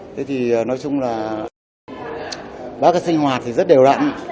thế thì nói chung là bác sinh hoạt thì rất đều đặn